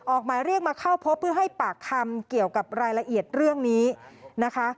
หมายเรียกมาเข้าพบเพื่อให้ปากคำเกี่ยวกับรายละเอียดเรื่องนี้นะคะ